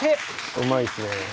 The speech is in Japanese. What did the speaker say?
うまいですね。